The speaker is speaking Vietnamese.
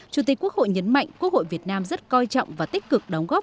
chủ tịch quốc hội nhấn mạnh quốc hội việt nam rất coi trọng và tích cực đóng góp